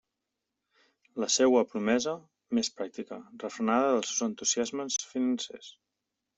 La seua promesa, més pràctica, refrenava els seus entusiasmes financers.